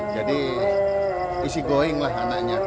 jadi isi going lah anaknya